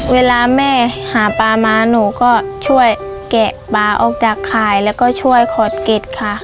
เวลาแม่หาปลามาหนูก็ช่วยแกะปลาออกจากข่ายแล้วก็ช่วยขอดเก็ดค่ะ